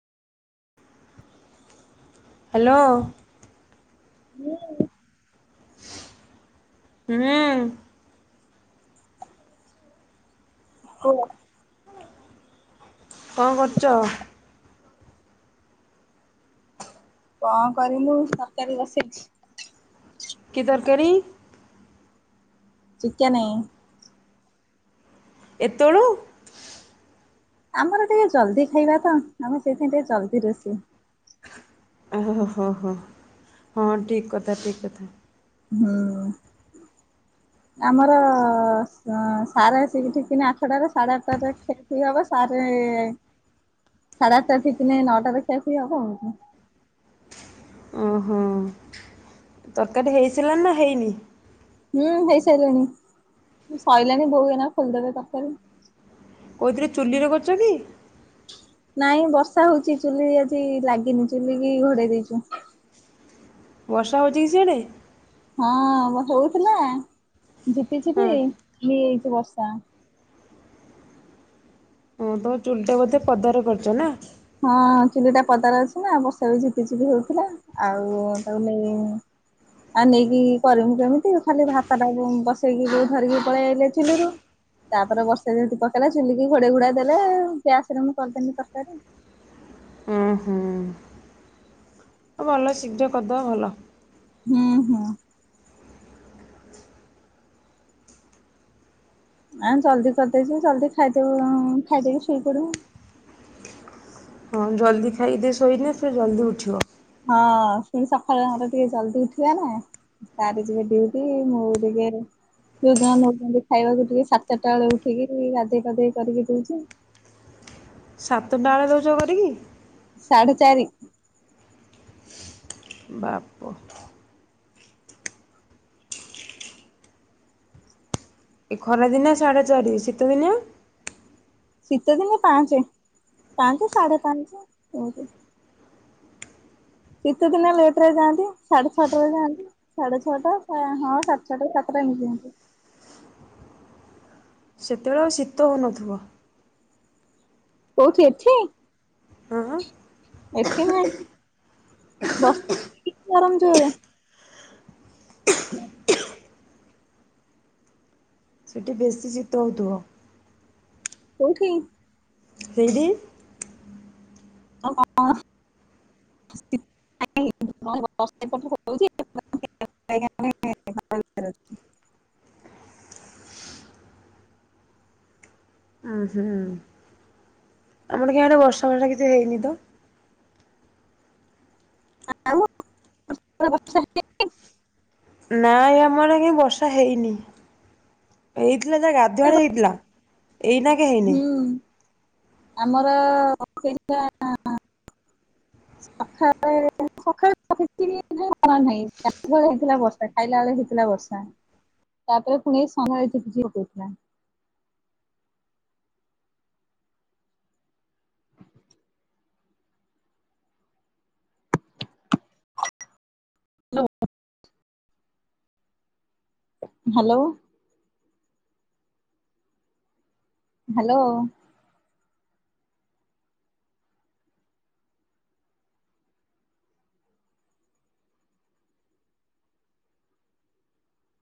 Hello. ହୁଁ। ହେଲା। କଣ କରୁଚ? କଣ କରିବି ମୁଁ ତରକାରୀ ବସେଇଛି। କି ତରକାରୀ? ଚିକେନ। ଏତେଳୁ। ଆମର ଟିକେ ଜଲଦି ଖାଇବା ତ ଆମେ ସେଥିପାଇଁ ଟିକେ ଜଲଦି ରୋଷେଇ। ଓ ହୋ ହୋ ହଁ ଠିକ କଥା ଠିକ୍ କଥା। ହୁଁ। ଆମର ସାର ଆସିକି ଠିକିନେ ଆଠଟାରେ ସାଢେ ଆଠଟ ଠିକ ହବ ସାରେ। ସାଢେ ଆଠଟା ଠିକିନେ ନଅଟା ରେ ଖାଇବି ଆଉ କଣ। ହୁଁ ହୁଁ। ତରକାରୀ ହେଇସରିଲା ନା ହେଇନି। ହୁଁ ହେଇସାରିଲିଣି ସଇଲାଣି ବୋଉ ଏନା ଖୋଲିଦେବେ ତରକାରି। କେଉଁଥିରେ ଚୁଲିରେ କରୁଛ କି। ନାଇଁ ବର୍ଷା ହଉଛି ଚୁଲି ଆଜି ଲାଗିନି ଚୁଲି କି ଘୋଡେଇ ଦେଇଛନ୍ତି। ବର୍ଷା ହେଉଛି କି ସିଆଡ଼େ। ହଁ ହଉଥିଲା ଝିପି ଝିପି ହଁ କି ବର୍ଷା। ହଁ ତମ ଚୁଲିଟା ବୋଧେ ପଦାର କରିଛ ନା। ହଁ ଚୁଲି ଟା ପଦାର ଅଛି ନା ବର୍ଷା ଝିପି ଝିପି ହଉଥିଲା। ଆଉ ତାକୁ ନେଇ। ଆ ନେଇକି କରିମୁ କେମିତି ଖାଲି ଭାତ ଟା ବସେଇକି ଧରିକି ପଳେଇ ଆଲେ ଚୁଲିରୁ। ତାପରେ ବର୍ଷା ଯେମିତି ପକେଇଲା ଚୁଲିକି ଘୋଡେଇ ଘୋଡ ଦେଲେ ଗ୍ୟାସ ରେ ମୁଁ କରିଦେଲି ତରକାରୀ। ହୁଁ ହୁଁ। ଭଲ ଶୀଘ୍ର କରିଦବ ଭଲ। ହୁଁ ହୁଁ। ଆ ଜଲଦି କରିଦେଇ ଯିବୁ ଜଲଦି ଖାଇଦବୁ ଖାଇଦେଇବି ଶୋଇ ପଡିବୁ। ହଁ ଜଲଦି ଖାଇଦି ଶୋଇନେ ସେ ଜଲଦି ଉଠିବ। ହଁ ପୁଣି ସକାଳେ ଘର ଟିକେ ଜଲଦି ଉଠିବେ ନା। ସାର ଯିବେ ଡିଉଟି ମୁଁ ଟିକେ। ଯୋଉଦିନ ନ ଖାଇବାକୁ ଉଠି ସାଢେ ଚାରିଟା ବେଳେ ଉଠିକି ଗଧେଇ ପାଧେଇ କରିକି ଦଉଛି। ସାତଟା ବେଳେ ଦଉଛ କରିକି। ସାଢେଚାରି। ବାପ। ଏ ଖରା ଦିନି ସାଢେ ଚାରି ଶୀତ ଦିନିଆ। ଶୀତଦିନ ପାଞ୍ଚେ ପାଞ୍ଚେ ସାଢେ ପାଞ୍ଚେ। ଶୀତ ଦିନ ଲେଟ ରେ ଯାଆନ୍ତି ସାଢେ ଛଅଟା ରେ ଯାଆନ୍ତି। ସାଢେ ଛଅଟା ହଁ ସାତେ ଛଅଟା ସାତଟା ଏମିତି। ସେତେବେଳେ ଆଉ ଶୀତ ହେଉନଥିବ। କୋଉଠି ଏଠି। ହଁ ଏଠି ନାଇଁ ବ ଗରମ ଜୋରରେ। ସେଠି ବେଶୀ ଶୀତ ହେଉଥିବ। କୋଉଠି? ସେଇଠି! ଅଁ ଅଁ। ବାର ଓ ହୁଁ ଆମର କୋଁଆଡେ ବର୍ଷ ବର୍ଷା କିଛି ହେଇନି ତ! ଆଉ ତମ ବର୍ଷା ହେଈନି ନା ଆମ ଆଡେ଼ କାଇଁ ବର୍ଷା ହେଇନି। ହେଇଥିଲା ଯା ଗାଧୁଆଳେ ହେଇଥିଲା। ଏଇନା- ହୁଁ ଆମର ସଖାଳେ ସଖାଳେ [inaudible] କଣ ନାହିଁଳେ ହେଇଥିଲା ବର୍ଷା ଖାଇଲା ବେଳେ ହେଇଥିଲା ବର୍ଷା। ତାପରେ ଫୁଣି ଏଇ ସମୟ ଝିପ ଝିପ ହେଉଥିଲା। ହ୍ୟାଲୋ। ହ୍ୟାଲୋ।